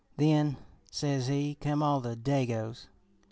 Then,' says he, 'come all the Dagos.